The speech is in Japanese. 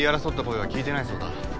声は聞いてないそうだ。